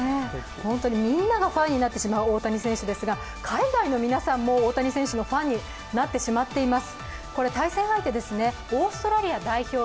みんながファンになってしまう大谷選手ですが海外の皆さんも大谷選手のファンになってしまっています。